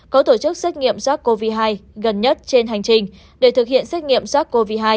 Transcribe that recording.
có tổ chức xét nghiệm sars cov hai gần nhất trên hành trình để thực hiện xét nghiệm sars cov hai